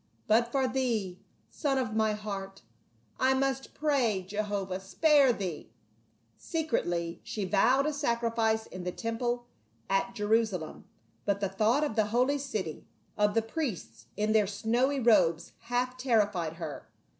But for thee, son of my heart, I must pray, Jehovah spare thee !" Secretly she vowed a sacrifice in the temple at Jerusalem, but the thought of the holy city, of the priests in their snowy robes half terrified her.